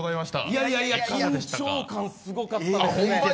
いやいや、緊張感すごかったですね。